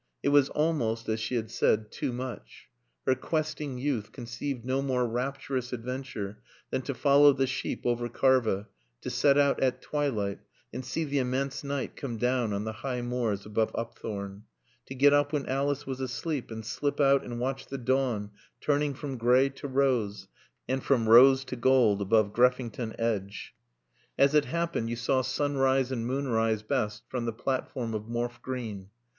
It was almost, as she had said, too much. Her questing youth conceived no more rapturous adventure than to follow the sheep over Karva, to set out at twilight and see the immense night come down on the high moors above Upthorne; to get up when Alice was asleep and slip out and watch the dawn turning from gray to rose, and from rose to gold above Greffington Edge. As it happened you saw sunrise and moonrise best from the platform of Morfe Green.